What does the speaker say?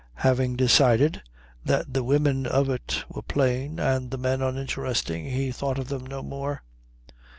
Having decided that the women of it were plain and the men uninteresting he thought of them no more.